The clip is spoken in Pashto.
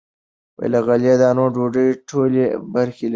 له غلې- دانو ډوډۍ ټولې برخې لري.